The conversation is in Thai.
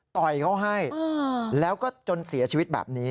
ต่อยเขาให้แล้วก็จนเสียชีวิตแบบนี้